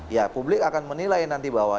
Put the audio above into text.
ya publik akan menilai nanti bahwa